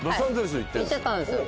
行っちゃったんですよ。